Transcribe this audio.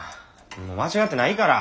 もう間違ってないから。